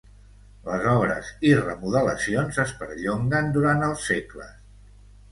Les obres i remodelacions es perllonguen durant els segles-.